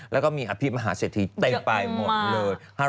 แล้วก็มีอภิมหาเศรษฐีเต็มไปหมดเลย